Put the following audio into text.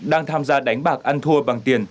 đang tham gia đánh bạc ăn thua bằng tiền